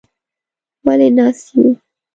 _ولې ناست يو؟